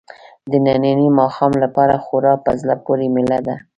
د ننني ماښام لپاره خورا په زړه پورې مېله وه.